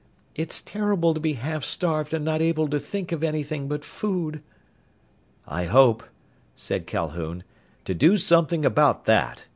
It's terrible to be half starved and not able to think of anything but food!" "I hope," said Calhoun, "to do something about that.